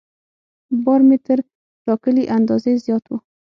بار مې تر ټاکلي اندازې زیات و.